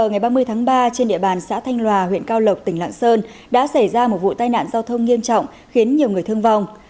ngày ba mươi tháng ba trên địa bàn xã thanh lòa huyện cao lộc tỉnh lạng sơn đã xảy ra một vụ tai nạn giao thông nghiêm trọng khiến nhiều người thương vong